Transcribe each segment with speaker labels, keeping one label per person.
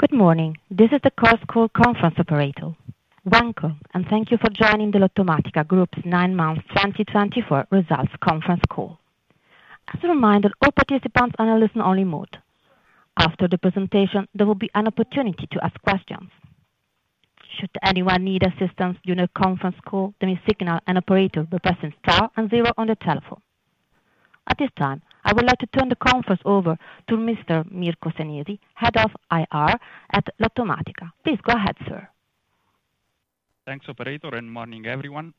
Speaker 1: Good morning. This is the conference call operator. Welcome, and thank you for joining the Lottomatica Group's 9 Months 2024 results conference call. As a reminder, all participants are in a listen-only mode. After the presentation, there will be an opportunity to ask questions. Should anyone need assistance during the conference call, they may signal an operator by pressing star and zero on their telephone. At this time, I would like to turn the conference over to Mr. Mirko Senesi, Head of IR at Lottomatica. Please go ahead, sir.
Speaker 2: Thanks, operator. Good morning, everyone.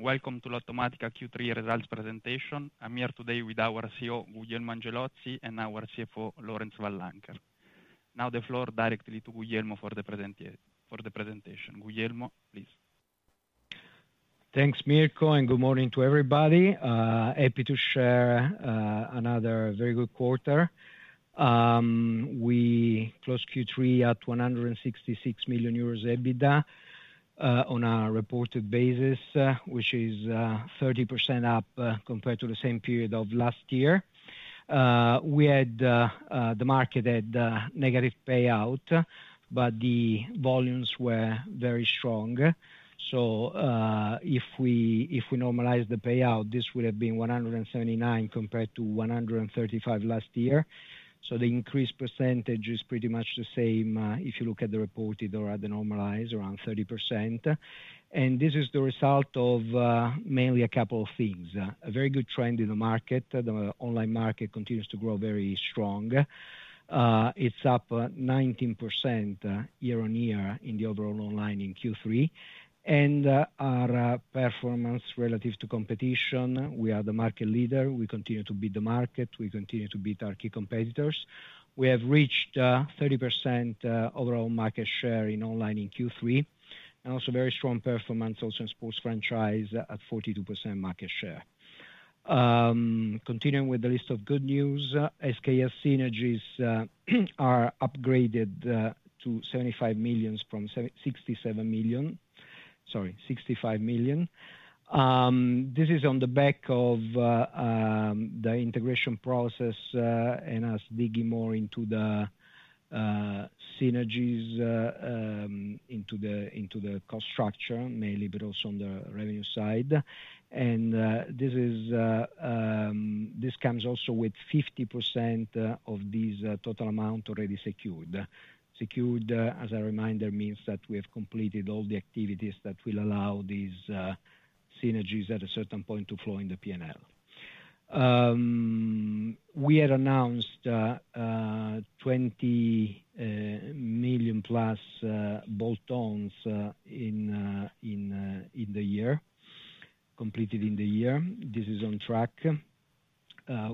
Speaker 2: Welcome to Lottomatica Q3 results presentation. I'm here today with our CEO, Guglielmo Angelozzi, and our CFO, Laurence Van Lancker. Now, the floor directly to Guglielmo for the presentation. Guglielmo, please.
Speaker 3: Thanks, Mirko, and good morning to everybody. Happy to share another very good quarter. We closed Q3 at 166 million euros EBITDA on a reported basis, which is 30% up compared to the same period of last year. We had, the market had negative payout, but the volumes were very strong. So if we normalize the payout, this would have been 179 compared to 135 last year. So the increased percentage is pretty much the same if you look at the reported or at the normalized, around 30%. And this is the result of mainly a couple of things. A very good trend in the market. The online market continues to grow very strong. It's up 19% year on year in the overall online in Q3. And our performance relative to competition, we are the market leader. We continue to beat the market. We continue to beat our key competitors. We have reached 30% overall market share in online in Q3, and also very strong performance also in sports franchise at 42% market share. Continuing with the list of good news, SKS synergies are upgraded to 75 million from 67 million. Sorry, 65 million. This is on the back of the integration process and us digging more into the synergies, into the cost structure mainly, but also on the revenue side, and this comes also with 50% of this total amount already secured. Secured, as a reminder, means that we have completed all the activities that will allow these synergies at a certain point to flow in the P&L. We had announced 20 million plus bolt-ons in the year, completed in the year. This is on track.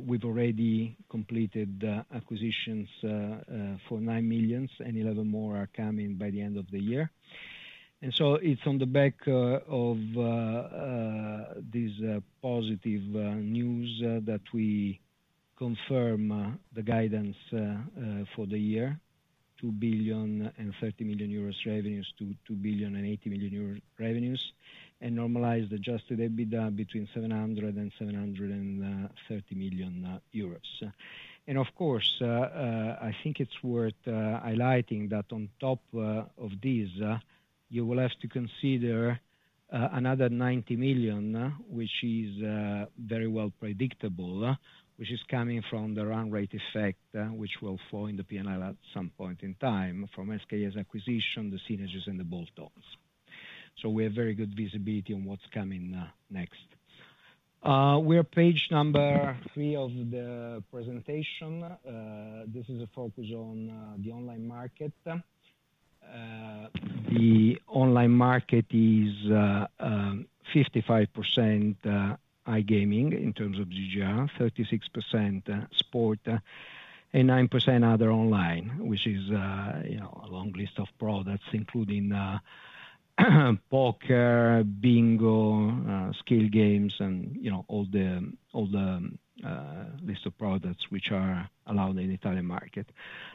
Speaker 3: We've already completed acquisitions for 9 million, and 11 more are coming by the end of the year. It's on the back of this positive news that we confirm the guidance for the year, 2 billion and 30 million euros revenues to 2 billion and 80 million euros revenues, and normalized Adjusted EBITDA between 700 and 730 million euros. Of course, I think it's worth highlighting that on top of this, you will have to consider another 90 million, which is very well predictable, which is coming from the run rate effect, which will flow in the P&L at some point in time from SKS acquisition, the synergies, and the bolt-ons. We have very good visibility on what's coming next. We are page number three of the presentation. This is a focus on the online market. The online market is 55% iGaming in terms of GGR, 36% sport, and 9% other online, which is a long list of products including poker, bingo, skill games, and all the list of products which are allowed in the Italian market.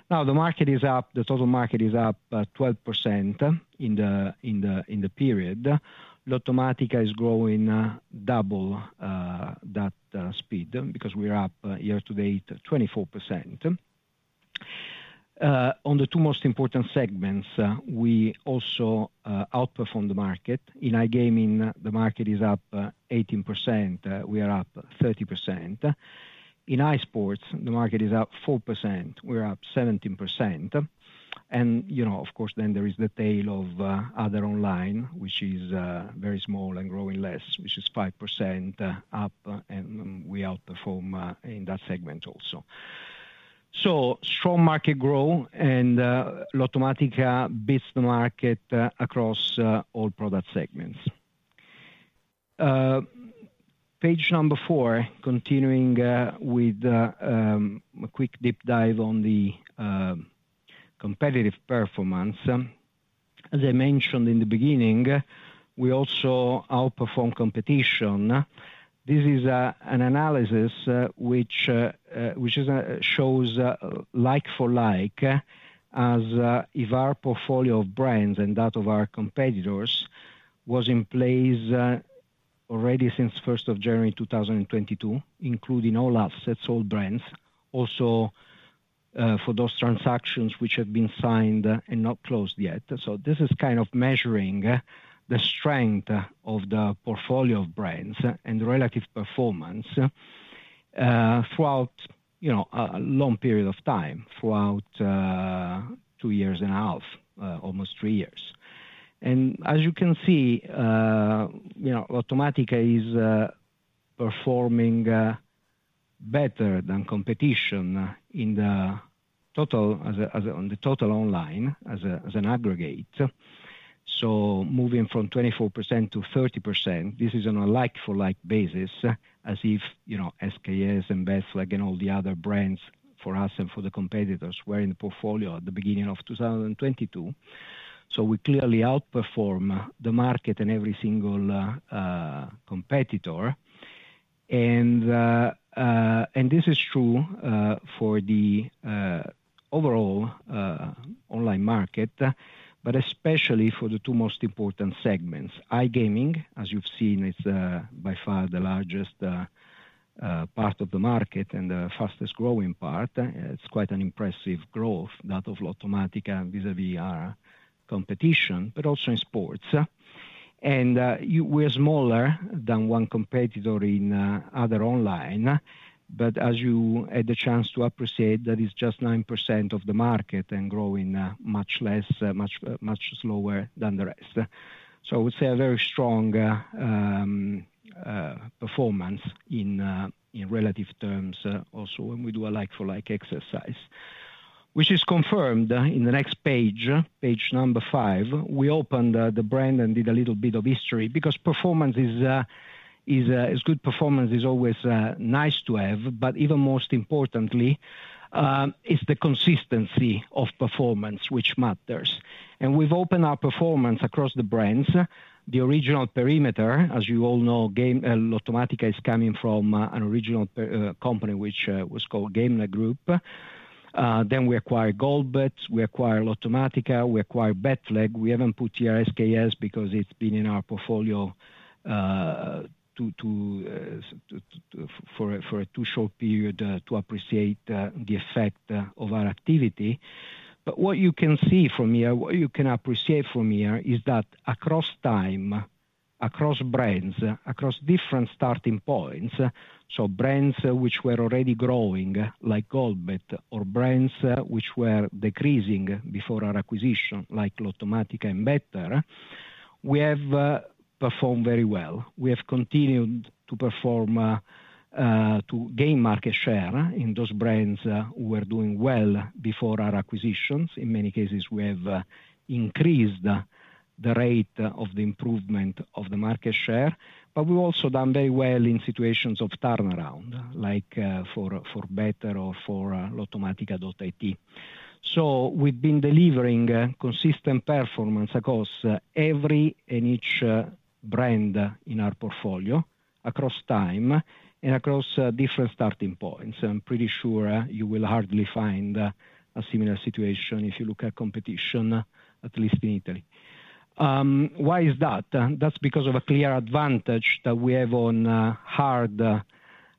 Speaker 3: Now, the market is up. The total market is up 12% in the period. Lottomatica is growing double that speed because we are up year to date 24%. On the two most important segments, we also outperform the market. In iGaming, the market is up 18%. We are up 30%. In iSports, the market is up 4%. We are up 17%, and of course, then there is the tail of other online, which is very small and growing less, which is 5% up, and we outperform in that segment also, so strong market growth, and Lottomatica beats the market across all product segments. Page number four, continuing with a quick deep dive on the competitive performance. As I mentioned in the beginning, we also outperform competition. This is an analysis which shows like for like, as if our portfolio of brands and that of our competitors was in place already since 1st of January 2022, including all assets, all brands, also for those transactions which have been signed and not closed yet, so this is kind of measuring the strength of the portfolio of brands and relative performance throughout a long period of time, throughout two years and a half, almost three years, and as you can see, Lottomatica is performing better than competition in the total online as an aggregate. Moving from 24%-30%, this is on a like-for-like basis, as if SKS and BetFlag and all the other brands for us and for the competitors were in the portfolio at the beginning of 2022. We clearly outperform the market and every single competitor. This is true for the overall online market, but especially for the two most important segments. iGaming, as you've seen, is by far the largest part of the market and the fastest growing part. It's quite an impressive growth, that of Lottomatica vis-à-vis our competition, but also in sports. We are smaller than one competitor in other online, but as you had the chance to appreciate, that is just 9% of the market and growing much less, much slower than the rest. So I would say a very strong performance in relative terms also when we do a like for like exercise, which is confirmed in the next page, page number five. We opened the brand and did a little bit of history because performance is good. Performance is always nice to have, but even most importantly, it's the consistency of performance which matters. And we've opened our performance across the brands. The original perimeter, as you all know, Lottomatica is coming from an original company which was called Gamenet Group. Then we acquired GoldBet, we acquired Lottomatica, we acquired BetFlag. We haven't put here SKS because it's been in our portfolio for a too short period to appreciate the effect of our activity. But what you can see from here, what you can appreciate from here is that across time, across brands, across different starting points, so brands which were already growing like GoldBet or brands which were decreasing before our acquisition like Lottomatica and BetFlag, we have performed very well. We have continued to perform to gain market share in those brands who were doing well before our acquisitions. In many cases, we have increased the rate of the improvement of the market share, but we've also done very well in situations of turnaround like for BetFlag or for Lottomatica.it. So we've been delivering consistent performance across every and each brand in our portfolio across time and across different starting points. I'm pretty sure you will hardly find a similar situation if you look at competition, at least in Italy. Why is that? That's because of a clear advantage that we have on hard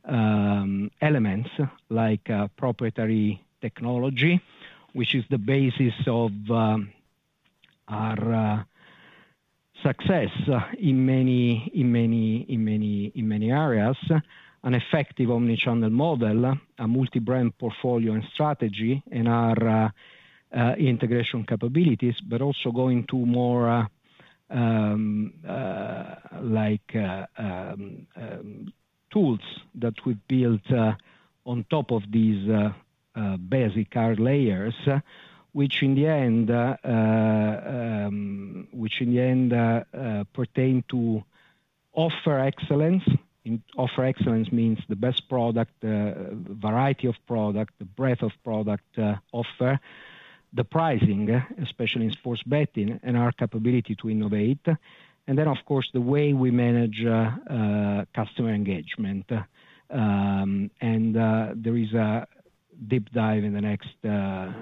Speaker 3: elements like proprietary technology, which is the basis of our success in many areas, an effective omnichannel model, a multi-brand portfolio and strategy, and our integration capabilities, but also going to more like tools that we've built on top of these basic card layers, which in the end pertain to offer excellence. Offer excellence means the best product, variety of product, the breadth of product offer, the pricing, especially in sports betting, and our capability to innovate. Then, of course, the way we manage customer engagement. There is a deep dive in the next two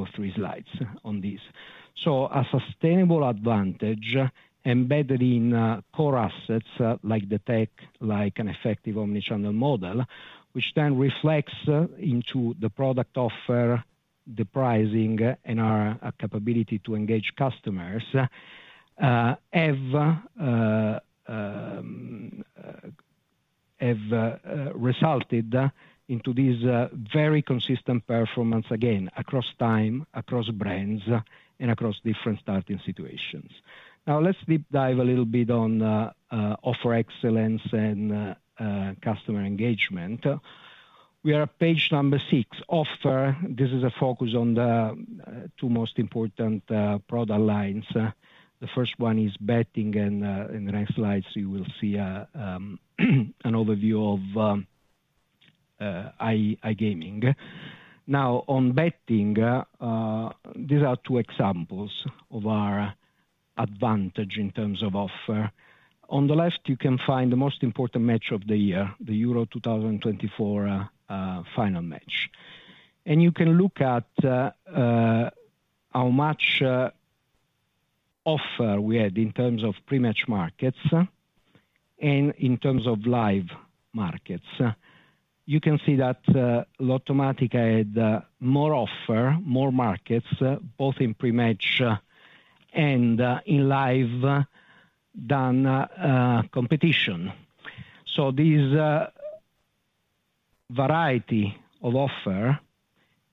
Speaker 3: or three slides on this. So a sustainable advantage embedded in core assets like the tech, like an effective omnichannel model, which then reflects into the product offer, the pricing, and our capability to engage customers have resulted into this very consistent performance again across time, across brands, and across different starting situations. Now, let's deep dive a little bit on offer excellence and customer engagement. We are at page number six, offer. This is a focus on the two most important product lines. The first one is betting, and in the next slides, you will see an overview of iGaming. Now, on betting, these are two examples of our advantage in terms of offer. On the left, you can find the most important match of the year, the Euro 2024 final match, and you can look at how much offer we had in terms of pre-match markets and in terms of live markets. You can see that Lottomatica had more offer, more markets, both in pre-match and in live than competition. So this variety of offer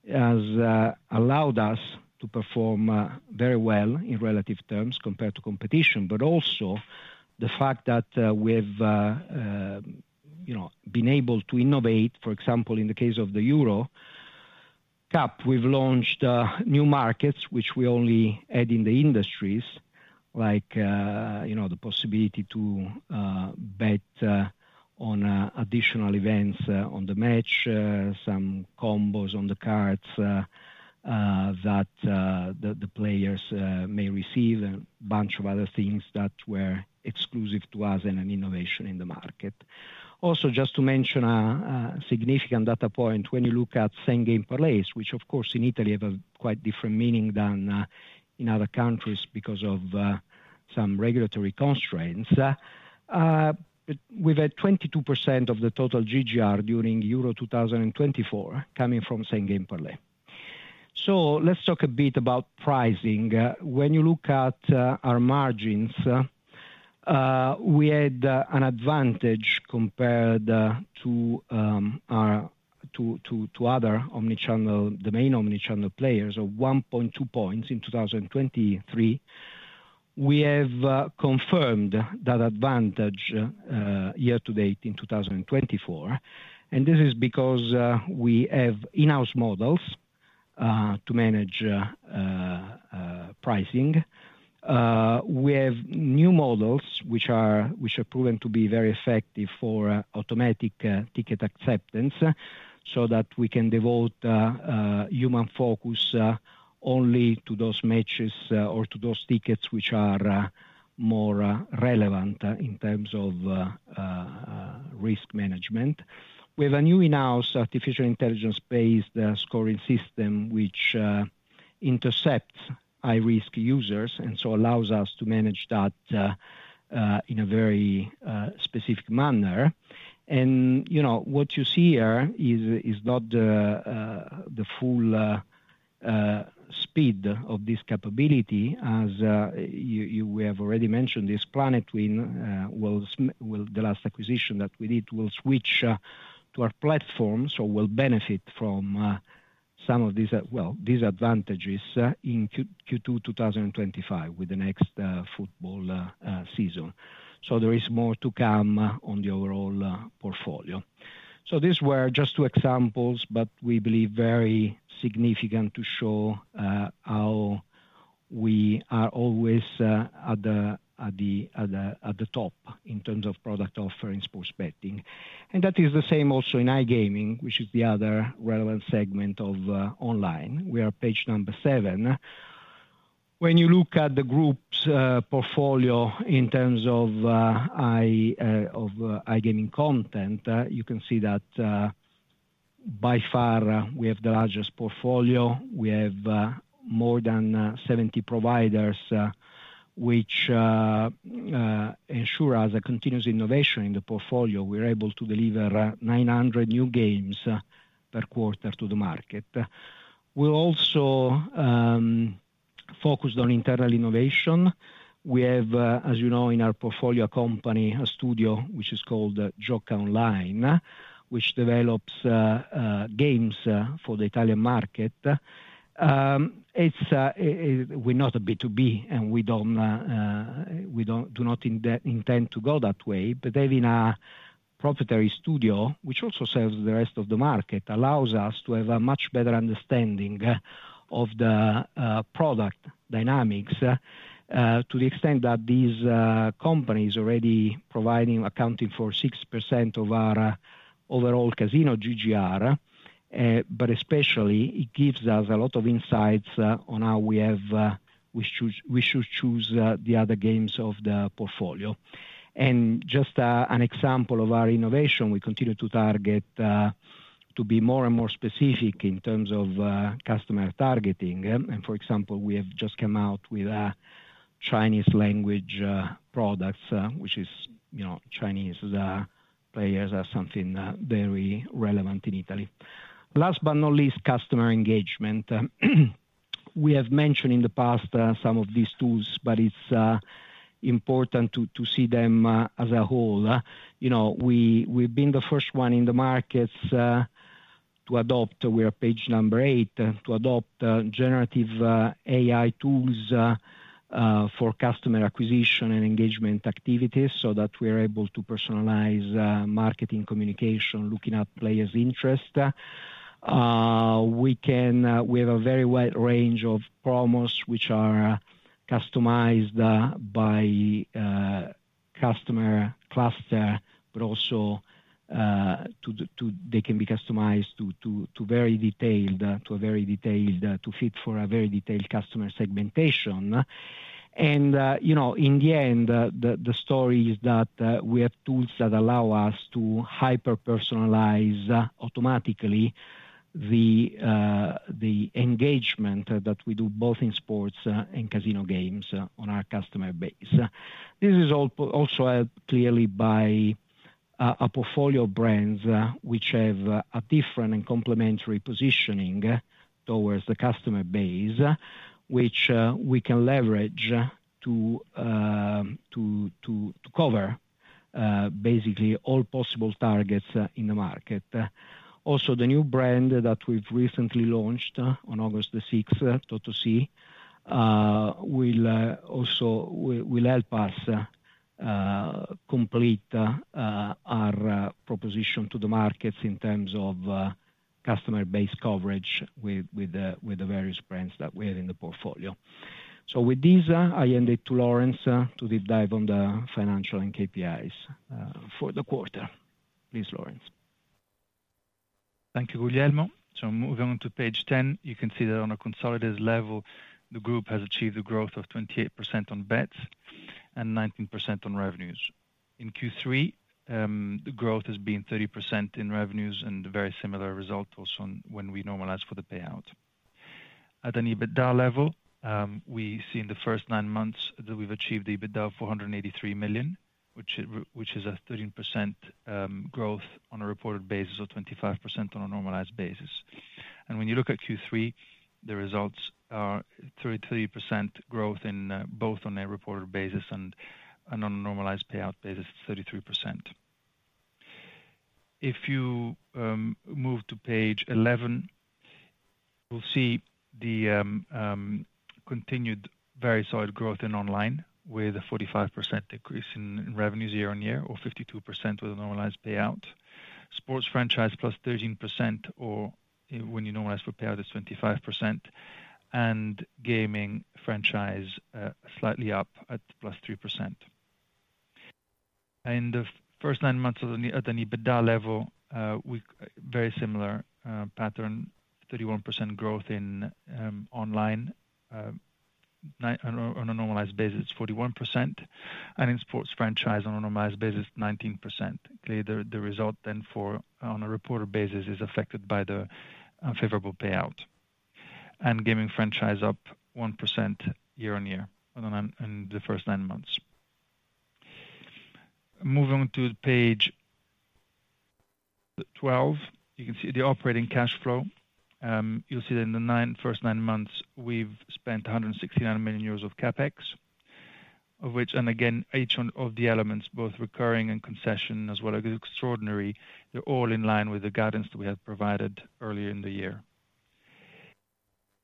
Speaker 3: has allowed us to perform very well in relative terms compared to competition, but also the fact that we have been able to innovate. For example, in the case of the Euro Cup, we've launched new markets which we only had in the industry, like the possibility to bet on additional events on the match, some combos on the cards that the players may receive, and a bunch of other things that were exclusive to us and an innovation in the market. Also, just to mention a significant data point, when you look at Same Game Parlay, which of course in Italy have a quite different meaning than in other countries because of some regulatory constraints, we've had 22% of the total GGR during Euro 2024 coming from Same Game Parlay. So let's talk a bit about pricing. When you look at our margins, we had an advantage compared to other omnichannel, the main omnichannel players of 1.2 points in 2023. We have confirmed that advantage year to date in 2024. And this is because we have in-house models to manage pricing. We have new models which have proven to be very effective for automatic ticket acceptance so that we can devote human focus only to those matches or to those tickets which are more relevant in terms of risk management. We have a new in-house artificial intelligence-based scoring system which intercepts high-risk users and so allows us to manage that in a very specific manner. And what you see here is not the full speed of this capability. As we have already mentioned, this Planetwin, the last acquisition that we did, will switch to our platform, so we'll benefit from some of these advantages in Q2 2025 with the next football season. So there is more to come on the overall portfolio. So these were just two examples, but we believe very significant to show how we are always at the top in terms of product offer in sports betting. And that is the same also in iGaming, which is the other relevant segment of online. We are page number seven. When you look at the group's portfolio in terms of iGaming content, you can see that by far we have the largest portfolio. We have more than 70 providers which ensure us a continuous innovation in the portfolio. We are able to deliver 900 new games per quarter to the market. We're also focused on internal innovation. We have, as you know, in our portfolio a company, a studio which is called Giocaonline, which develops games for the Italian market. We're not a B2B, and we do not intend to go that way, but having a proprietary studio which also serves the rest of the market allows us to have a much better understanding of the product dynamics to the extent that these companies are already providing accounting for 6% of our overall casino GGR, but especially it gives us a lot of insights on how we should choose the other games of the portfolio, and just an example of our innovation, we continue to target to be more and more specific in terms of customer targeting, and for example, we have just come out with Chinese language products, which is Chinese players are something very relevant in Italy. Last but not least, customer engagement. We have mentioned in the past some of these tools, but it's important to see them as a whole. We've been the first one in the markets to adopt, we are page number eight, to adopt generative AI tools for customer acquisition and engagement activities so that we are able to personalize marketing communication, looking at players' interest. We have a very wide range of promos which are customized by customer cluster, but also they can be customized to very detailed, to fit for a very detailed customer segmentation. In the end, the story is that we have tools that allow us to hyper-personalize automatically the engagement that we do both in sports and casino games on our customer base. This is also clearly by a portfolio of brands which have a different and complementary positioning towards the customer base, which we can leverage to cover basically all possible targets in the market. Also, the new brand that we've recently launched on August the 6th, Totosì, will also help us complete our proposition to the markets in terms of customer base coverage with the various brands that we have in the portfolio. So with these, I hand it to Laurence to deep dive on the financial and KPIs for the quarter. Please, Laurence.
Speaker 4: Thank you, Guglielmo. So moving on to page 10, you can see that on a consolidated level, the group has achieved a growth of 28% on bets and 19% on revenues. In Q3, the growth has been 30% in revenues and a very similar result also when we normalize for the payout. At an EBITDA level, we see in the first nine months that we've achieved the EBITDA of 483 million, which is a 13% growth on a reported basis or 25% on a normalized basis. And when you look at Q3, the results are 33% growth in both on a reported basis and on a normalized payout basis, 33%. If you move to page 11, you'll see the continued very solid growth in online with a 45% decrease in revenues year on year or 52% with a normalized payout. Sports franchise plus 13% or when you normalize for payout is 25%, and gaming franchise slightly up at plus 3%. In the first nine months at an EBITDA level, very similar pattern, 31% growth in online on a normalized basis, 41%, and in sports franchise on a normalized basis, 19%. Clearly, the result then for on a reported basis is affected by the unfavorable payout. And gaming franchise up 1% year on year in the first nine months. Moving to page 12, you can see the operating cash flow. You'll see that in the first nine months, we've spent 169 million euros of CapEx, of which, and again, each of the elements, both recurring and concession, as well as extraordinary, they're all in line with the guidance that we had provided earlier in the year.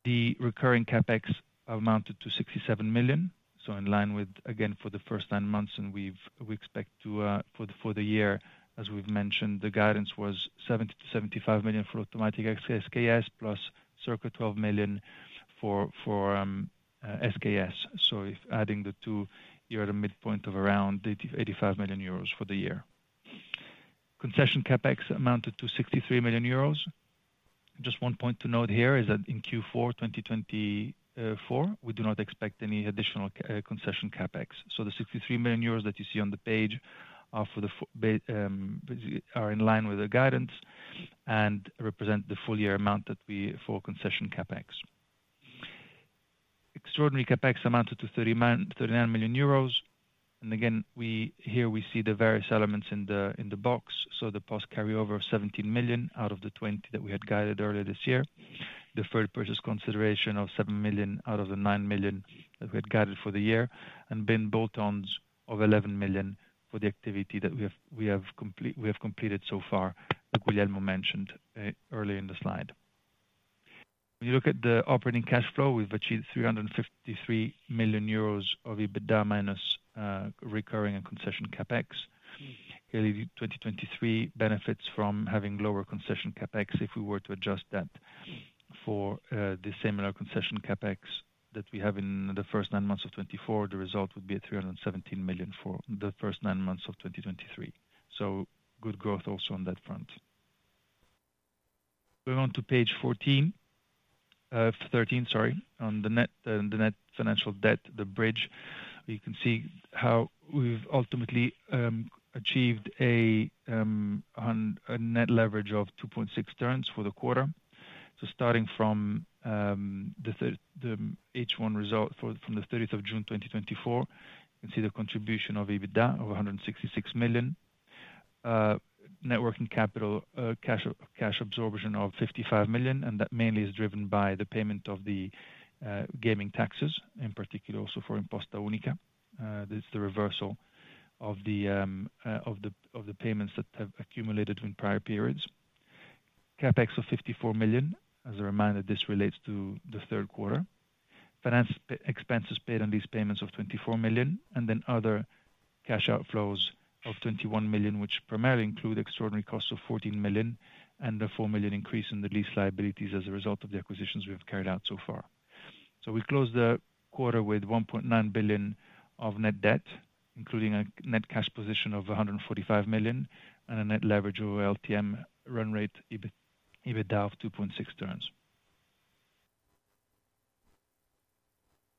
Speaker 4: The recurring CapEx amounted to 67 million. So in line with, again, for the first nine months, and we expect for the year, as we've mentioned, the guidance was 70 million-75 million for Lottomatica ex-SKS plus circa 12 million for SKS. So adding the two, you're at a midpoint of around 85 million euros for the year. Concession CapEx amounted to 63 million euros. Just one point to note here is that in Q4 2024, we do not expect any additional concession CapEx. The 63 million euros that you see on the page are in line with the guidance and represent the full year amount for concession CapEx. Extraordinary CapEx amounted to 39 million euros. Again, here we see the various elements in the box. The post carryover of 17 million out of the 20 million that we had guided earlier this year, the third purchase consideration of 7 million out of the 9 million that we had guided for the year, and bolt-on of 11 million for the activity that we have completed so far, as Guglielmo mentioned earlier in the slide. When you look at the operating cash flow, we've achieved 353 million euros of EBITDA minus recurring and concession CapEx. 2023 benefits from having lower concession CapEx. If we were to adjust that for the similar concession CapEx that we have in the first nine months of 2024, the result would be 317 million for the first nine months of 2023. So good growth also on that front. Moving on to page 13, sorry, on the net financial debt, the bridge, you can see how we've ultimately achieved a net leverage of 2.6 turns for the quarter. So starting from the H1 result from the 30th of June 2024, you can see the contribution of EBITDA of 166 million, net working capital cash absorption of 55 million, and that mainly is driven by the payment of the gaming taxes, in particular also for Imposta Unica. It's the reversal of the payments that have accumulated in prior periods. CapEx of 54 million. As a reminder, this relates to the third quarter. Finance expenses paid on lease payments of 24 million, and then other cash outflows of 21 million, which primarily include extraordinary costs of 14 million and the 4 million increase in the lease liabilities as a result of the acquisitions we have carried out so far. So we close the quarter with 1.9 billion of net debt, including a net cash position of 145 million and a net leverage over LTM run rate EBITDA of 2.6 turns.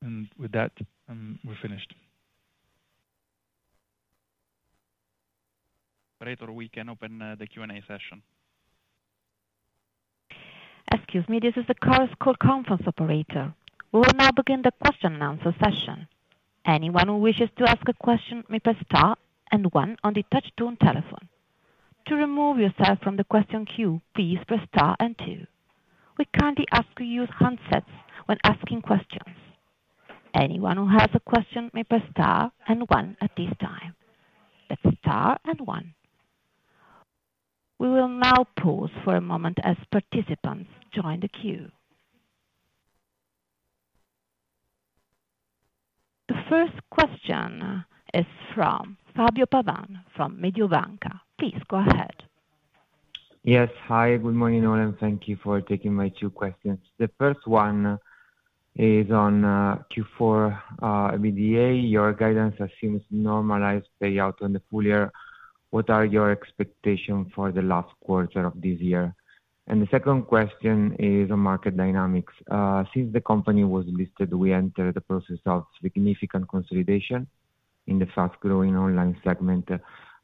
Speaker 4: And with that, we're finished. Operator, we can open the Q&A session.
Speaker 1: Excuse me, this is the Chorus Call Conference Operator. We will now begin the question and answer session. Anyone who wishes to ask a question may press star and one on the touch-tone telephone. To remove yourself from the question queue, please press star and two. We kindly ask you to use handsets when asking questions. Anyone who has a question may press star and one at this time. That's star and one. We will now pause for a moment as participants join the queue. The first question is from Fabio Pavan from Mediobanca. Please go ahead.
Speaker 5: Yes. Hi, good morning, Laurence. Thank you for taking my two questions. The first one is on Q4 VDA. Your guidance assumes normalized payout on the full year. What are your expectations for the last quarter of this year? And the second question is on market dynamics. Since the company was listed, we entered the process of significant consolidation in the fast-growing online segment.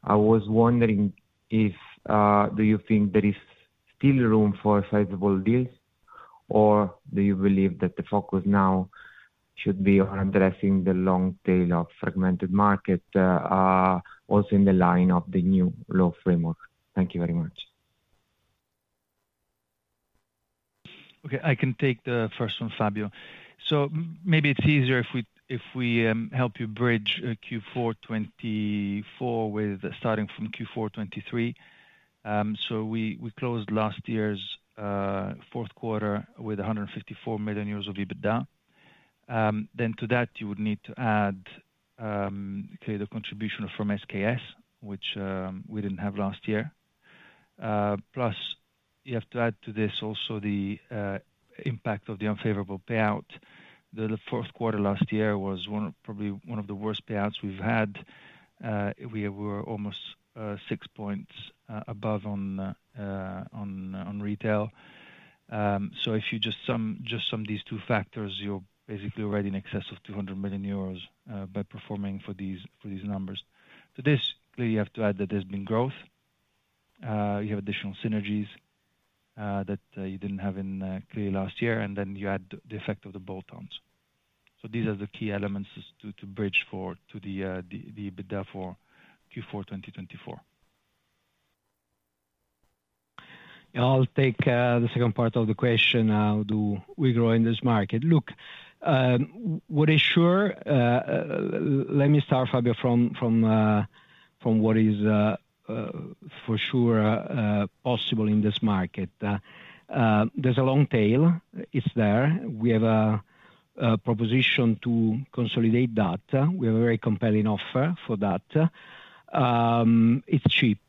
Speaker 5: I was wondering, do you think there is still room for sizable deals, or do you believe that the focus now should be on addressing the long tail of fragmented market also in the line of the new law framework? Thank you very much.
Speaker 4: Okay. I can take the first one, Fabio. So maybe it's easier if we help you bridge Q4 2024 with starting from Q4 2023. So we closed last year's fourth quarter with 154 million euros of EBITDA. Then to that, you would need to add the contribution from SKS, which we didn't have last year. Plus, you have to add to this also the impact of the unfavorable payout. The fourth quarter last year was probably one of the worst payouts we've had. We were almost six points above on retail. So if you just sum these two factors, you're basically already in excess of 200 million euros by performing for these numbers. To this, clearly, you have to add that there's been growth. You have additional synergies that you didn't have in clearly last year, and then you add the effect of the bolt-ons. These are the key elements to bridge to the EBITDA for Q4 2024.
Speaker 3: I'll take the second part of the question. How do we grow in this market? Look, what is sure? Let me start, Fabio, from what is for sure possible in this market. There's a long tail. It's there. We have a proposition to consolidate that. We have a very compelling offer for that. It's cheap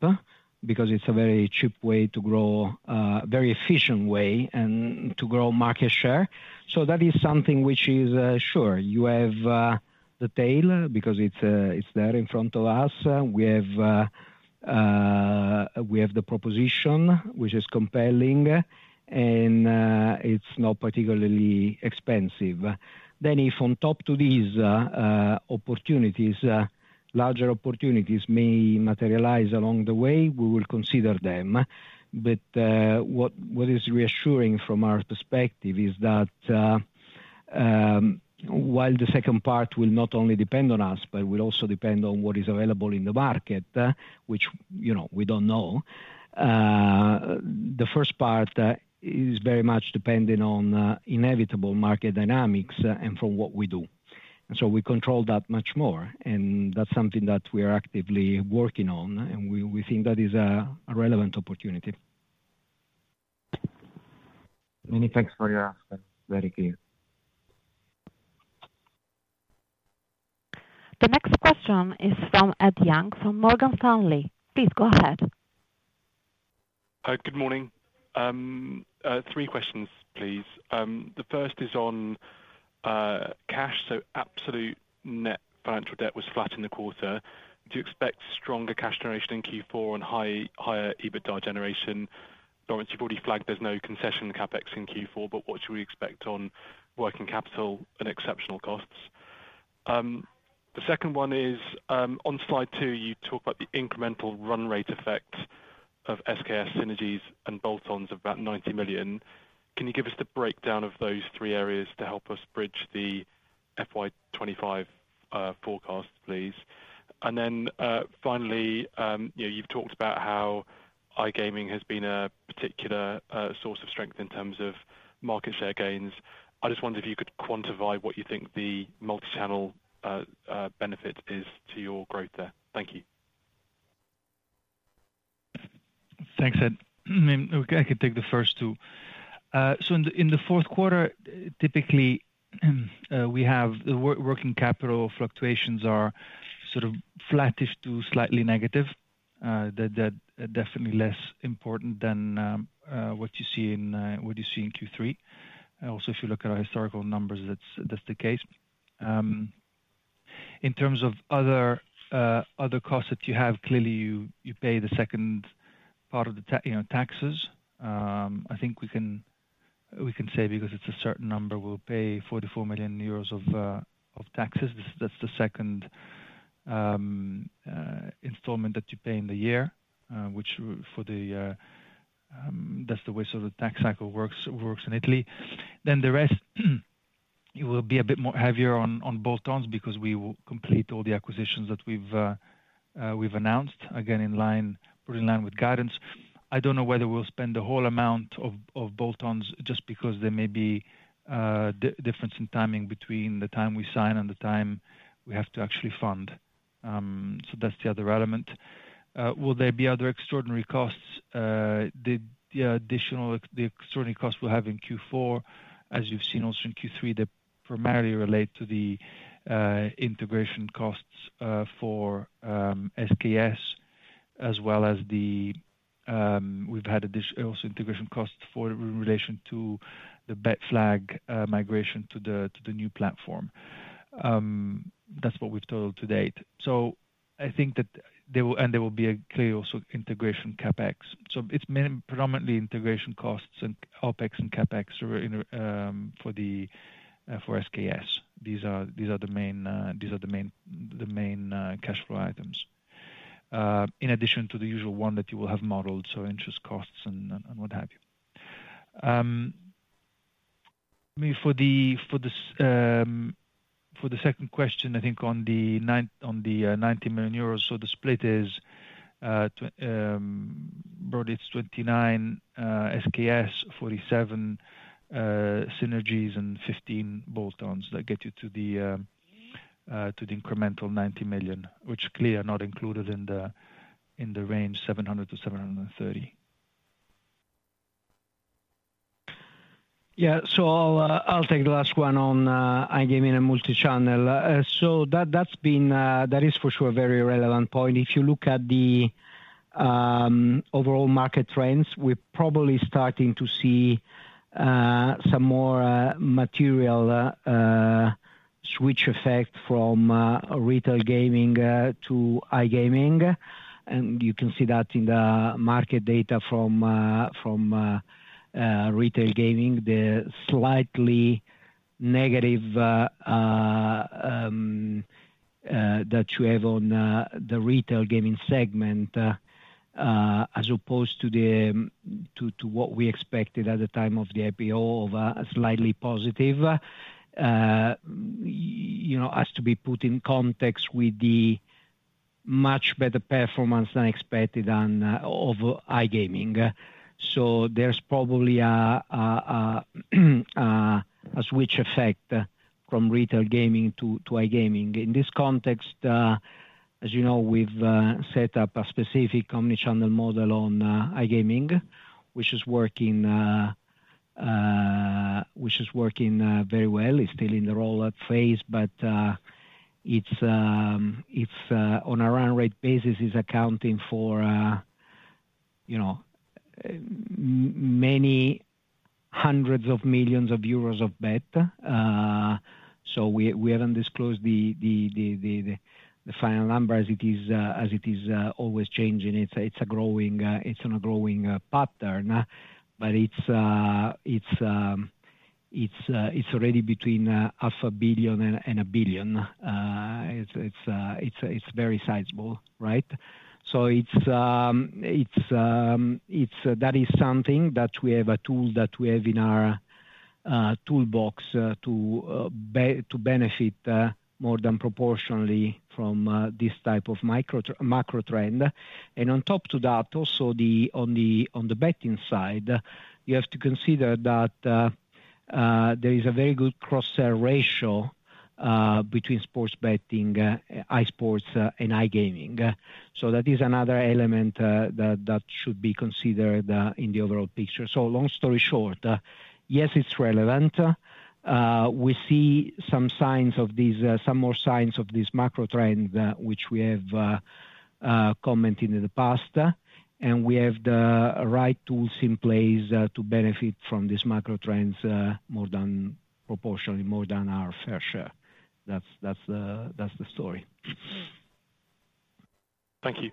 Speaker 3: because it's a very cheap way to grow, a very efficient way to grow market share. So that is something which is sure. You have the tail because it's there in front of us. We have the proposition, which is compelling, and it's not particularly expensive. Then if on top to these larger opportunities may materialize along the way, we will consider them. But what is reassuring from our perspective is that while the second part will not only depend on us, but will also depend on what is available in the market, which we don't know, the first part is very much dependent on inevitable market dynamics and from what we do. And so we control that much more. And that's something that we are actively working on, and we think that is a relevant opportunity.
Speaker 5: Many thanks for your answer. Very clear.
Speaker 1: The next question is from Ed Young from Morgan Stanley. Please go ahead.
Speaker 6: Good morning. Three questions, please. The first is on cash. So absolute net financial debt was flat in the quarter. Do you expect stronger cash generation in Q4 and higher EBITDA generation? Laurence, you've already flagged there's no concession CapEx in Q4, but what should we expect on working capital and exceptional costs? The second one is on slide two, you talk about the incremental run rate effect of SKS synergies and bolt-ons of about 90 million. Can you give us the breakdown of those three areas to help us bridge the FY25 forecast, please? And then finally, you've talked about how iGaming has been a particular source of strength in terms of market share gains. I just wondered if you could quantify what you think the multi-channel benefit is to your growth there. Thank you.
Speaker 3: Thanks, Ed. I could take the first two. So in the fourth quarter, typically, we have working capital fluctuations are sort of flattish to slightly negative. That's definitely less important than what you see in Q3. Also, if you look at our historical numbers, that's the case. In terms of other costs that you have, clearly, you pay the second part of the taxes. I think we can say because it's a certain number, we'll pay 44 million euros of taxes. That's the second installment that you pay in the year, which that's the way sort of the tax cycle works in Italy. Then the rest, it will be a bit more heavier on bolt-ons because we will complete all the acquisitions that we've announced, again, in line with guidance. I don't know whether we'll spend the whole amount of bolt-ons just because there may be a difference in timing between the time we sign and the time we have to actually fund. So that's the other element. Will there be other extraordinary costs? The additional extraordinary costs we'll have in Q4, as you've seen also in Q3, that primarily relate to the integration costs for SKS, as well as we've had also integration costs in relation to the BetFlag migration to the new platform. That's what we've totaled to date. So I think that there will be a clear also integration CapEx. So it's predominantly integration costs and OpEx and CapEx for SKS. These are the main cash flow items, in addition to the usual one that you will have modeled, so interest costs and what have you. For the second question, I think on the 90 million euros, so the split is broadly it's 29 SKS, 47 synergies, and 15 bolt-ons that get you to the incremental 90 million, which clearly are not included in the range 700-730.
Speaker 4: Yeah. So I'll take the last one on iGaming and multi-channel. So that is for sure a very relevant point. If you look at the overall market trends, we're probably starting to see some more material switch effect from retail gaming to iGaming. And you can see that in the market data from retail gaming, the slightly negative that you have on the retail gaming segment as opposed to what we expected at the time of the IPO, of a slightly positive has to be put in context with the much better performance than expected of iGaming. So there's probably a switch effect from retail gaming to iGaming. In this context, as you know, we've set up a specific omnichannel model on iGaming, which is working very well. It's still in the rollout phase, but on a run rate basis, it's accounting for many hundreds of millions of euros of bet. So we haven't disclosed the final number as it is always changing. It's on a growing pattern, but it's already between 500 million and 1 billion. It's very sizable, right? So that is something that we have a tool that we have in our toolbox to benefit more than proportionally from this type of macro trend. And on top to that, also on the betting side, you have to consider that there is a very good cross-sale ratio between sports betting, iSports, and iGaming. So that is another element that should be considered in the overall picture. So long story short, yes, it's relevant. We see some more signs of this macro trend, which we have commented in the past, and we have the right tools in place to benefit from these macro trends more than proportionally, more than our fair share. That's the story.
Speaker 6: Thank you.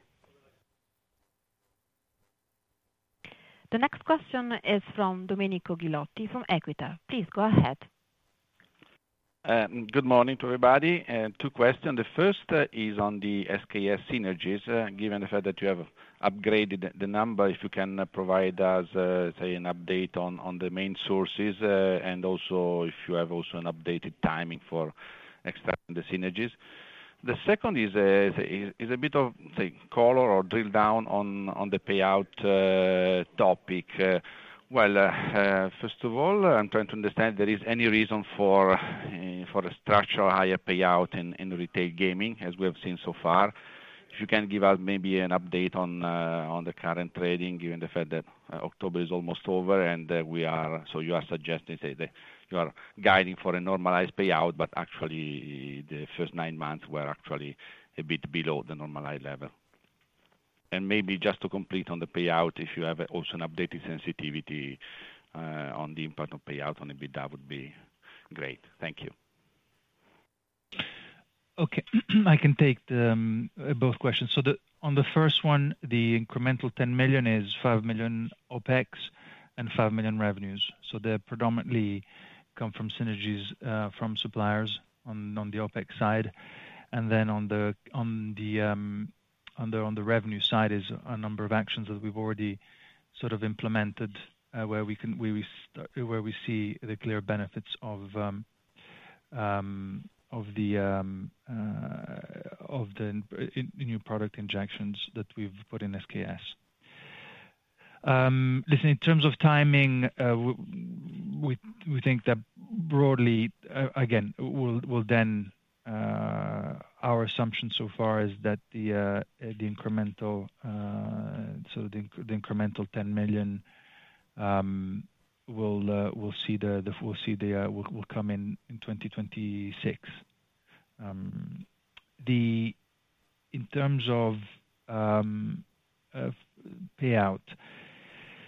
Speaker 1: The next question is from Domenico Ghilotti from Equita. Please go ahead.
Speaker 7: Good morning to everybody. Two questions. The first is on the SKS synergies, given the fact that you have upgraded the number, if you can provide us, say, an update on the main sources and also if you have also an updated timing for extracting the synergies. The second is a bit of color or drill down on the payout topic. Well, first of all, I'm trying to understand if there is any reason for a structural higher payout in retail gaming, as we have seen so far. If you can give us maybe an update on the current trading, given the fact that October is almost over, and so you are suggesting that you are guiding for a normalized payout, but actually the first nine months were actually a bit below the normalized level. Maybe just to complete on the payout, if you have also an updated sensitivity on the impact of payout on EBITDA, that would be great. Thank you.
Speaker 3: Okay. I can take both questions. On the first one, the incremental 10 million is 5 million OpEx and 5 million revenues. They predominantly come from synergies from suppliers on the OpEx side. Then on the revenue side is a number of actions that we've already sort of implemented where we see the clear benefits of the new product injections that we've put in SKS. Listen, in terms of timing, we think that broadly, again, well, then our assumption so far is that the incremental 10 million will come in 2026. In terms of payout,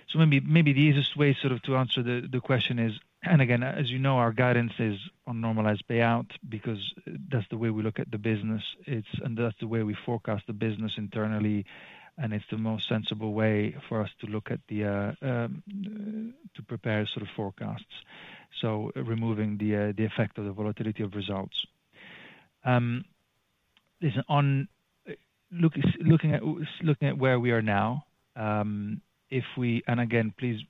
Speaker 3: so maybe the easiest way sort of to answer the question is, and again, as you know, our guidance is on normalized payout because that's the way we look at the business, and that's the way we forecast the business internally, and it's the most sensible way for us to look at to prepare sort of forecasts. So removing the effect of the volatility of results. Looking at where we are now, if we and again, please,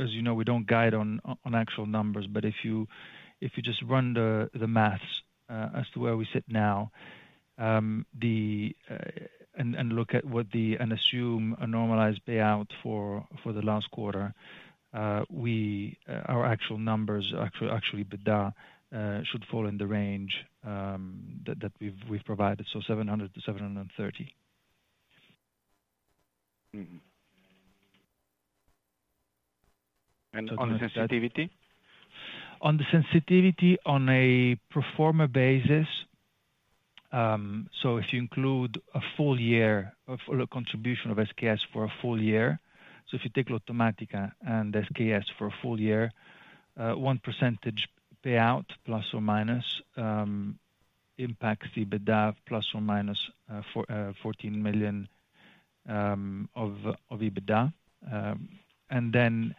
Speaker 3: as you know, we don't guide on actual numbers, but if you just run the math as to where we sit now and look at what and assume a normalized payout for the last quarter, our actual numbers, actually EBITDA, should fall in the range that we've provided, so 700-730. And on the sensitivity? On the sensitivity on a pro forma basis, so if you include a full year of contribution of SKS for a full year, so if you take Lottomatica and SKS for a full year, 1% payout plus or minus impacts the EBITDA plus or minus 14 million of EBITDA. And then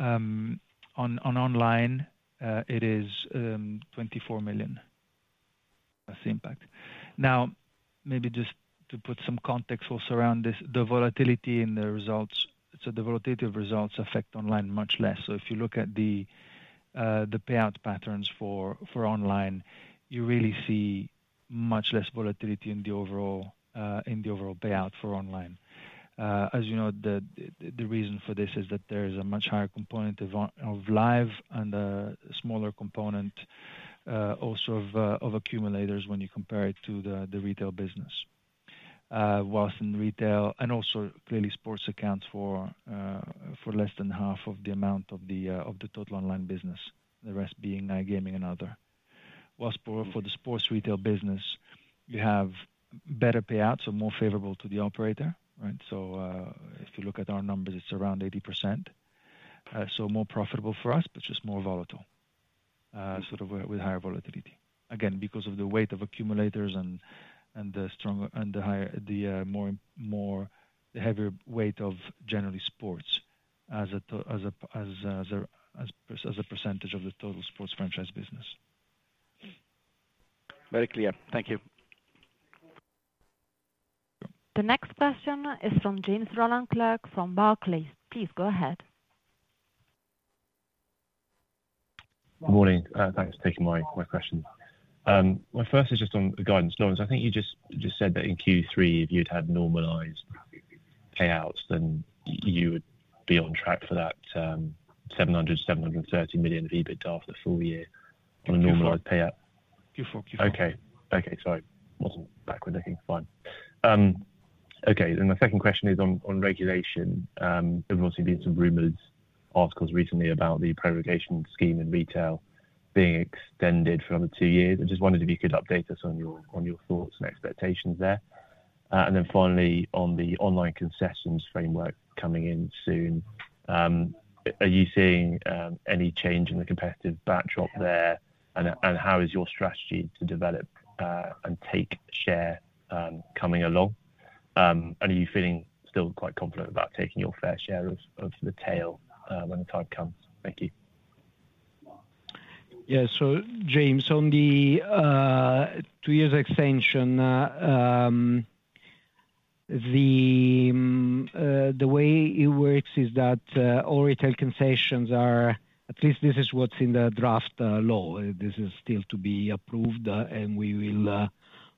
Speaker 3: on online, it is 24 million as the impact. Now, maybe just to put some context also around this, the volatility in the results, so the volatility of results affect online much less. So if you look at the payout patterns for online, you really see much less volatility in the overall payout for online. As you know, the reason for this is that there is a much higher component of live and a smaller component also of accumulators when you compare it to the retail business. While in retail and also clearly sports accounts for less than half of the amount of the total online business, the rest being iGaming and other. While for the sports retail business, you have better payouts, so more favorable to the operator, right? So if you look at our numbers, it's around 80%. So more profitable for us, but just more volatile, sort of with higher volatility. Again, because of the weight of accumulators and the stronger and the more heavier weight of generally sports as a percentage of the total sports franchise business.
Speaker 7: Very clear. Thank you.
Speaker 1: The next question is from James Rowland Clark from Barclays. Please go ahead.
Speaker 8: Good morning. Thanks for taking my question. My first is just on the guidance. Laurence, I think you just said that in Q4, if you'd had normalized payouts, then you would be on track for that 700-730 million of EBITDA for the full year on a normalized payout. Okay. Sorry. Wasn't backward looking. Fine. Okay. And my second question is on regulation. There've obviously been some rumors, articles recently about the prorogation scheme in retail being extended for another two years. I just wondered if you could update us on your thoughts and expectations there. And then finally, on the online concessions framework coming in soon, are you seeing any change in the competitive backdrop there? And how is your strategy to develop and take share coming along? And are you feeling still quite confident about taking your fair share of the tail when the time comes? Thank you.
Speaker 4: Yeah. James, on the two-year extension, the way it works is that all retail concessions are, at least this is what's in the draft law. This is still to be approved, and we will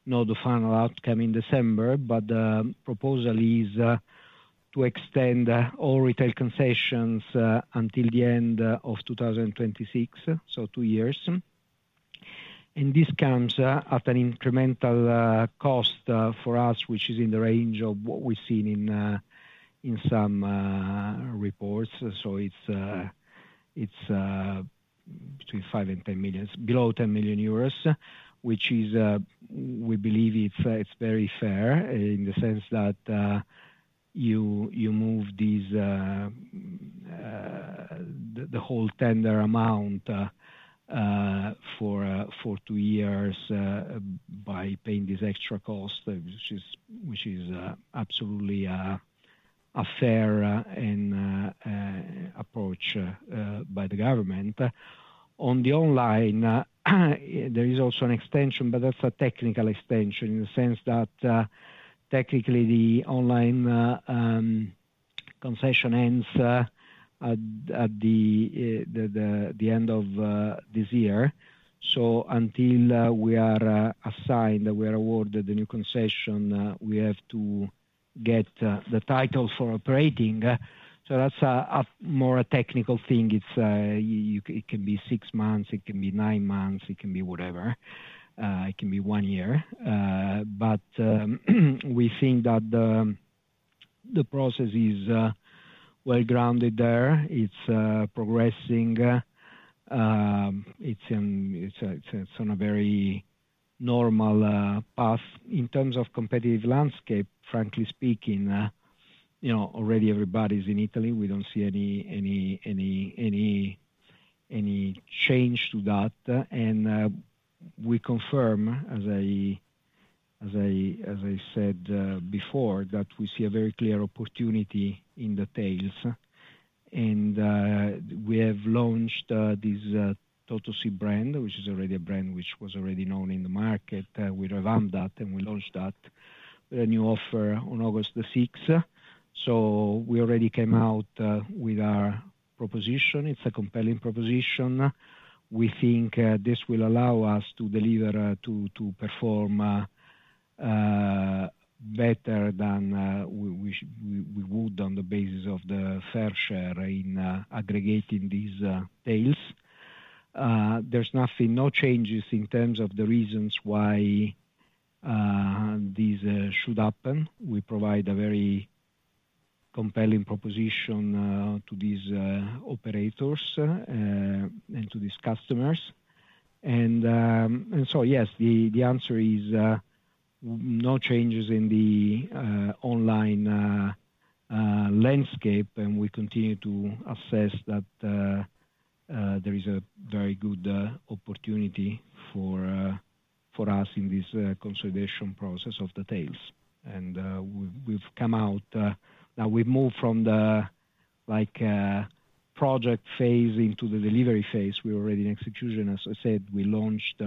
Speaker 4: know the final outcome in December, but the proposal is to extend all retail concessions until the end of 2026, so two years, and this comes at an incremental cost for us, which is in the range of what we've seen in some reports. It's between 5 million and 10 million, below 10 million euros, which we believe it's very fair in the sense that you move the whole tender amount for two years by paying this extra cost, which is absolutely a fair approach by the government. On the online, there is also an extension, but that's a technical extension in the sense that technically the online concession ends at the end of this year. Until we are assigned, we are awarded the new concession, we have to get the title for operating. That's more a technical thing. It can be six months, it can be nine months, it can be whatever. It can be one year. But we think that the process is well grounded there. It's progressing. It's on a very normal path. In terms of competitive landscape, frankly speaking, already everybody's in Italy. We don't see any change to that. We confirm, as I said before, that we see a very clear opportunity in the retail. We have launched this Totosì brand, which is already a brand which was already known in the market. We revamped that and we launched that with a new offer on August the 6th. We already came out with our proposition. It's a compelling proposition. We think this will allow us to deliver, to perform better than we would on the basis of the fair share in aggregating these tails. There's no changes in terms of the reasons why this should happen. We provide a very compelling proposition to these operators and to these customers. And so yes, the answer is no changes in the online landscape, and we continue to assess that there is a very good opportunity for us in this consolidation process of the tails, and we've come out now. We've moved from the project phase into the delivery phase. We're already in execution. As I said, we launched,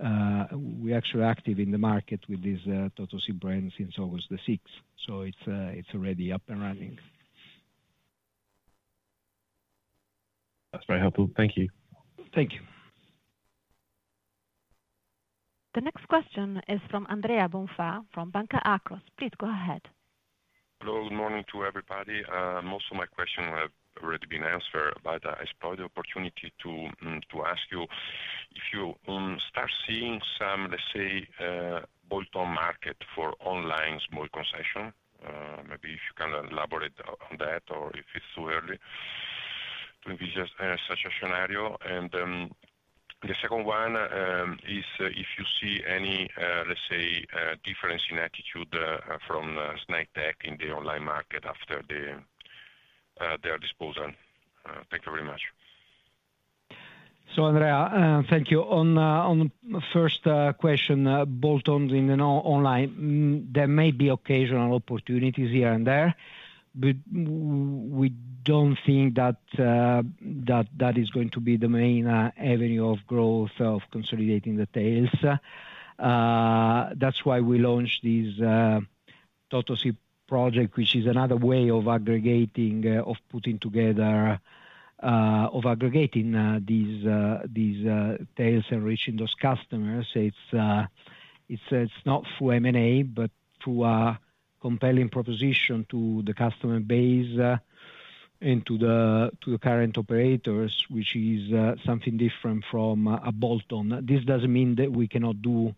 Speaker 4: we're actually active in the market with this Totosì brand since August the 6th, so it's already up and running.
Speaker 8: That's very helpful. Thank you.
Speaker 4: Thank you.
Speaker 1: The next question is from Andrea Bonfa from Banca Akros. Please go ahead.
Speaker 9: Hello. Good morning to everybody. Most of my questions have already been answered, but I spoiled the opportunity to ask you if you start seeing some, let's say, bolt-on market for online small concession. Maybe if you can elaborate on that or if it's too early to envision such a scenario. And the second one is if you see any, let's say, difference in attitude from Snaitech in the online market after their disposal. Thank you very much.
Speaker 4: So Andrea, thank you. On the first question, bolt-on in the online, there may be occasional opportunities here and there, but we don't think that that is going to be the main avenue of growth of consolidating the tails. That's why we launched this Totosì project, which is another way of aggregating, of putting together, of aggregating these tails and reaching those customers. It's not through M&A, but through a compelling proposition to the customer base and to the current operators, which is something different from a bolt-on. This doesn't mean that we cannot do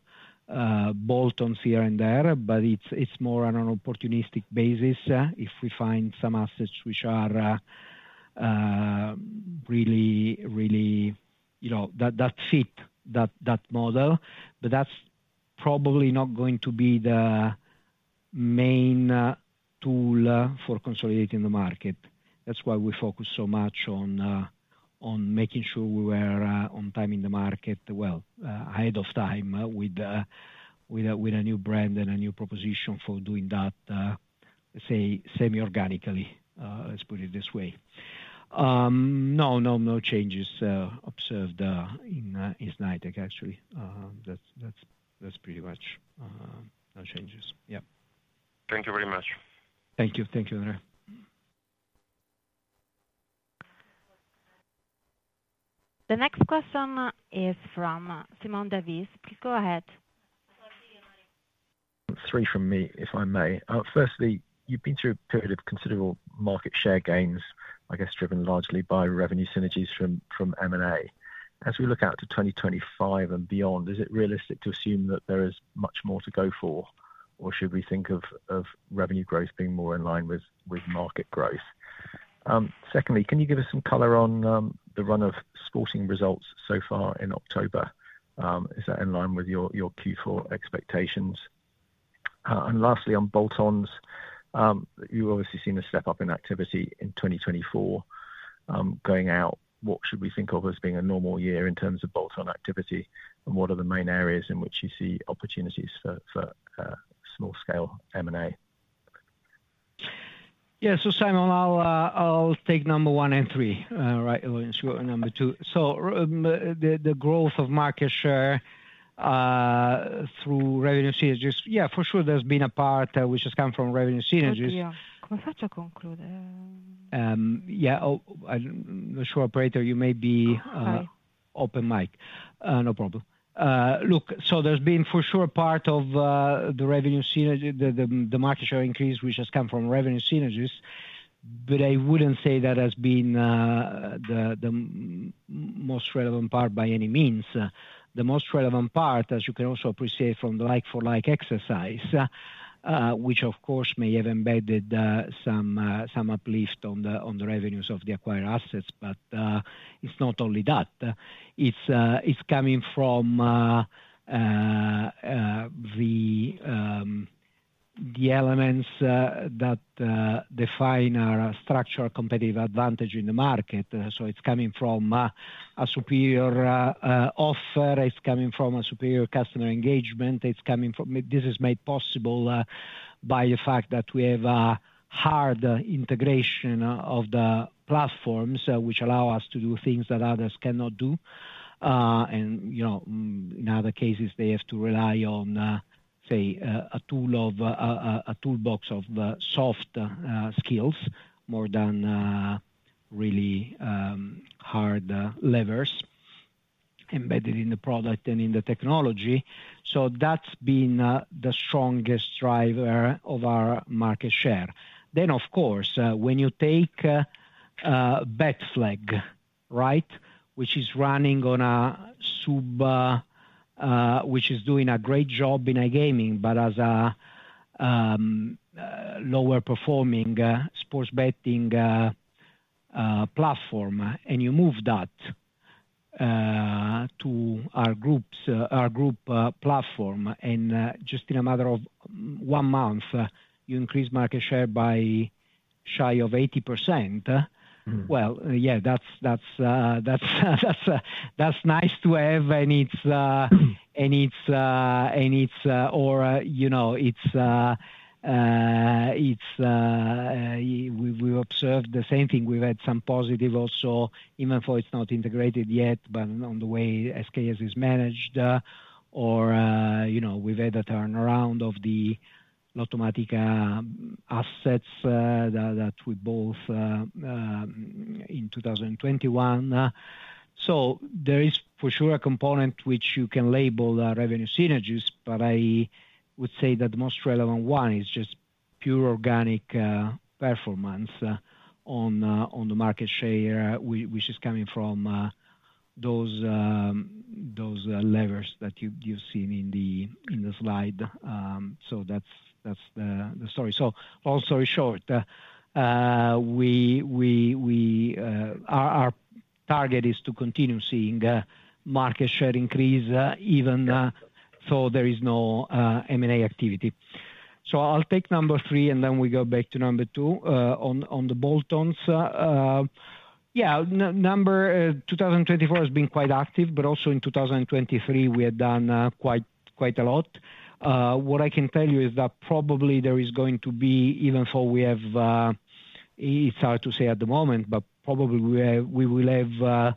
Speaker 4: bolt-ons here and there, but it's more on an opportunistic basis if we find some assets which are really, really that fit that model. But that's probably not going to be the main tool for consolidating the market. That's why we focus so much on making sure we were on time in the market, well, ahead of time with a new brand and a new proposition for doing that, let's say, semi-organically. Let's put it this way. No, no changes observed in Snaitech, actually. That's pretty much no changes.
Speaker 9: Yeah. Thank you very much.
Speaker 4: Thank you. Thank you, Andrea.
Speaker 1: The next question is from Simon Davies. Please go ahead.
Speaker 10: Three from me, if I may. Firstly, you've been through a period of considerable market share gains, I guess, driven largely by revenue synergies from M&A. As we look out to 2025 and beyond, is it realistic to assume that there is much more to go for, or should we think of revenue growth being more in line with market growth? Secondly, can you give us some color on the run of sporting results so far in October? Is that in line with your Q4 expectations? And lastly, on bolt-ons, you've obviously seen a step up in activity in 2024. Going out, what should we think of as being a normal year in terms of bolt-on activity, and what are the main areas in which you see opportunities for small-scale M&A?
Speaker 4: Yeah. So Simon, I'll take number one and three, right? Number two. So the growth of market share through revenue synergy, yeah, for sure, there's been a part which has come from revenue synergies.
Speaker 1: Yeah.
Speaker 4: Yeah. I'm not sure, operator, you may be open mic. No problem. Look, so there's been for sure part of the revenue synergy, the market share increase which has come from revenue synergy, but I wouldn't say that has been the most relevant part by any means. The most relevant part, as you can also appreciate from the like-for-like exercise, which of course may have embedded some uplift on the revenues of the acquired assets, but it's not only that. It's coming from the elements that define our structural competitive advantage in the market. So it's coming from a superior offer, it's coming from a superior customer engagement. This is made possible by the fact that we have a hard integration of the platforms which allow us to do things that others cannot do, and in other cases, they have to rely on, say, a toolbox of soft skills more than really hard levers embedded in the product and in the technology, so that's been the strongest driver of our market share, then, of course, when you take BetFlag, right, which is running on a sub, which is doing a great job in iGaming, but as a lower-performing sports betting platform, and you move that to our group platform, and just in a matter of one month, you increase market share by shy of 80%, well, yeah, that's nice to have, and it's or it's we've observed the same thing. We've had some positive also, even though it's not integrated yet, but on the way SKS is managed, or we've had a turnaround of the Lottomatica assets that we bought in 2021. So there is for sure a component which you can label revenue synergies, but I would say that the most relevant one is just pure organic performance on the market share, which is coming from those levers that you've seen in the slide. So that's the story. So long story short, our target is to continue seeing market share increase even though there is no M&A activity. So I'll take number three, and then we go back to number two. On the bolt-ons, yeah, in 2024 has been quite active, but also in 2023, we had done quite a lot. What I can tell you is that probably there is going to be, even though we have it's hard to say at the moment, but probably we will have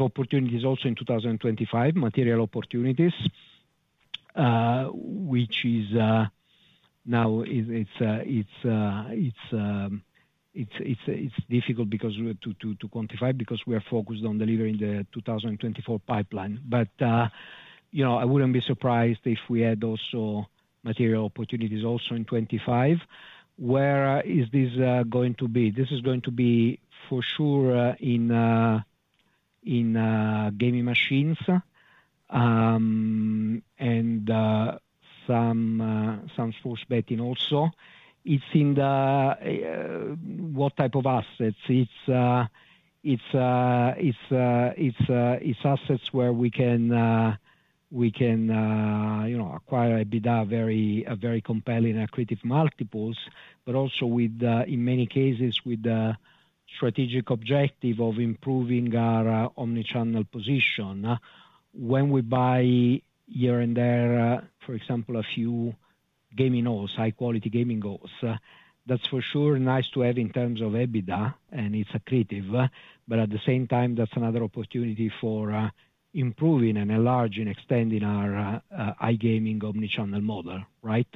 Speaker 4: opportunities also in 2025, material opportunities, which now it's difficult to quantify because we are focused on delivering the 2024 pipeline. But I wouldn't be surprised if we had also material opportunities also in 2025. Where is this going to be? This is going to be for sure in gaming machines and some sports betting also. It's in what type of assets? It's assets where we can acquire a very compelling accretive multiples, but also in many cases with the strategic objective of improving our omnichannel position. When we buy here and there, for example, a few gaming halls, high-quality gaming halls, that's for sure nice to have in terms of EBITDA, and it's accretive. But at the same time, that's another opportunity for improving and enlarging, extending our iGaming omnichannel model, right?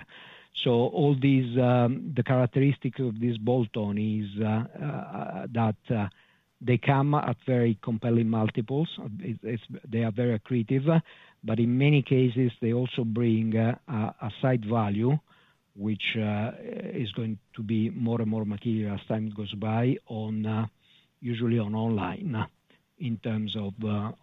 Speaker 4: So all these, the characteristics of this bolt-on is that they come at very compelling multiples. They are very accretive, but in many cases, they also bring a side value which is going to be more and more material as time goes by, usually on online in terms of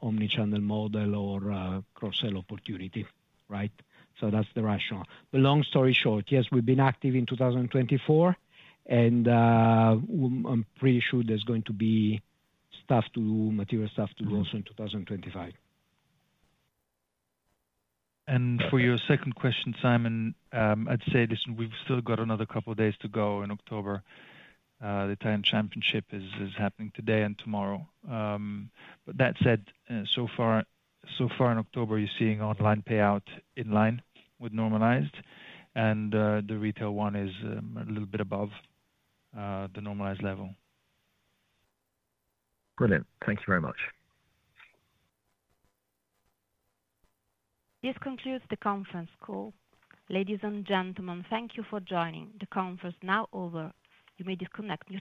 Speaker 4: omnichannel model or cross-sale opportunity, right? So that's the rationale. But long story short, yes, we've been active in 2024, and I'm pretty sure there's going to be stuff to do, material stuff to do also in 2025. And for your second question, Simon, I'd say, listen, we've still got another couple of days to go in October. The Italian Championship is happening today and tomorrow. But that said, so far in October, you're seeing online payout in line with normalized, and the retail one is a little bit above the normalized level.
Speaker 10: Brilliant. Thank you very much.
Speaker 1: This concludes the conference call. Ladies and gentlemen, thank you for joining. The conference is now over. You may disconnect now.